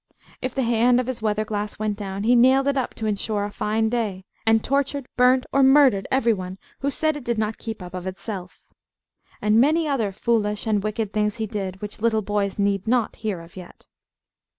If the hand of his weather glass went down, he nailed it up to insure a fine day, and tortured, burnt, or murdered every one who said it did not keep up of itself. And many other foolish and wicked things he did, which little boys need not hear of yet.